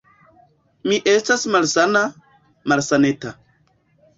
Mi estas malsana, malsaneta.